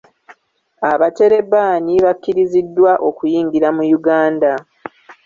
Abaterebaani bakkiriziddwa okuyingira mu Uganda